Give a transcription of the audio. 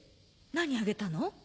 何あげたの？